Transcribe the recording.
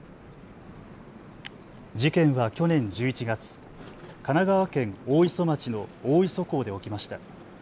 事件は去年１１月、神奈川県大磯町の大磯港で起きました。